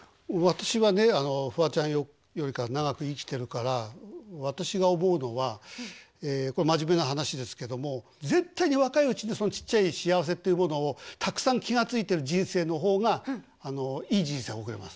私はねフワちゃんよりかは長く生きてるから私が思うのはこれ真面目な話ですけども絶対に若いうちにそのちっちゃい幸せっていうものをたくさん気が付いてる人生の方がいい人生を送れます。